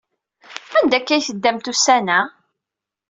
Anda akka ay teddamt ussan-a?